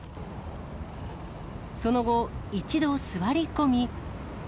その後、一度座り込み。